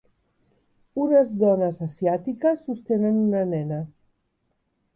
Unes dones asiàtiques sostenen una nena.